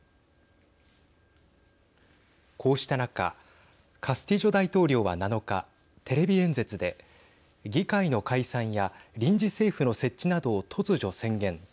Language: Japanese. こうした中カスティジョ大統領は７日テレビ演説で、議会の解散や臨時政府の設置などを突如宣言。